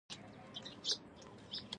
د نفوس کره شمېر د دې پېښو څرګندونه کوي